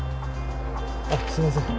あっすいません。